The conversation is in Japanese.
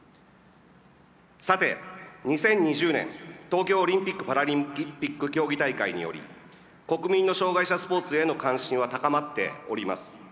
さて、２０２０年東京オリンピックパラリンピック競技大会により国民の障害者スポーツへの関心は高まっております。